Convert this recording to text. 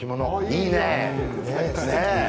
いいねえ。